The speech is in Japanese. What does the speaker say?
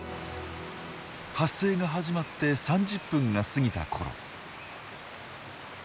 発生が始まって３０分が過ぎたころ。